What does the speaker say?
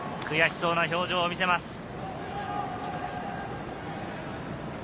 悔しそうな表情を見せます。